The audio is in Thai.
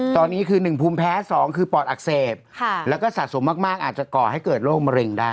ตอนนี้คือ๑ภูมิแพ้๒คือปอดอักเสบแล้วก็สะสมมากอาจจะก่อให้เกิดโรคมะเร็งได้